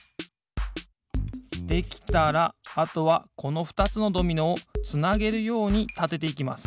できたらあとはこのふたつのドミノをつなげるようにたてていきます